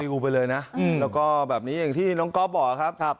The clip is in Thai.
งูไปเลยนะแล้วก็แบบนี้อย่างที่น้องก๊อฟบอกครับ